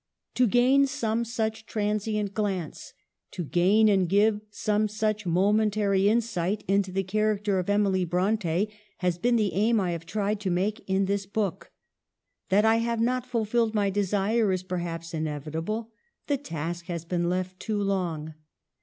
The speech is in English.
To gain some such transient glance, to gain and give some such momentary insight into the character of Emily Bronte, has been the aim I have tried to make in this book. That I have not fulfilled my desire is perhaps inevitable — the task has been left too long.